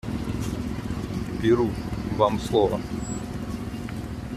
Перу, вам слово.